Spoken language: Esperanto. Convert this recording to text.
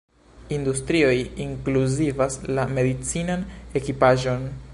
Industrioj inkluzivas la medicinan ekipaĵon.